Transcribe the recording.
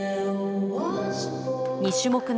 ２種目目。